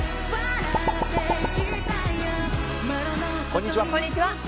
こんにちは。